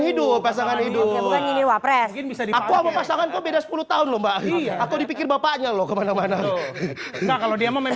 hidup pasangan hidup pasangan beda sepuluh tahun lomba iya aku dipikir bapaknya loh kemana mana kalau dia